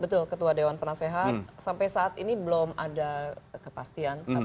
betul ketua dewan penasehat sampai saat ini belum ada kepastian